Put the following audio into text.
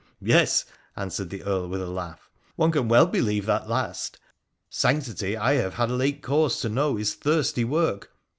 ' Yes,' answered the Earl with a laugh, ' one can well believe that last. Sanctity, I have had late cause to know, is thirsty work.